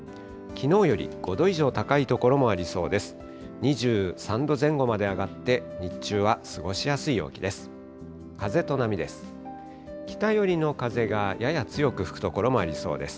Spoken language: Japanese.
きのうより５度以上高い所もありそうです。